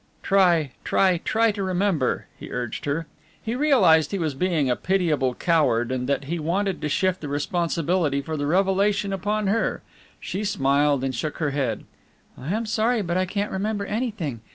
"Try, try, try to remember," he urged her. He realized he was being a pitiable coward and that he wanted to shift the responsibility for the revelation upon her. She smiled, and shook her head. "I am sorry but I can't remember anything.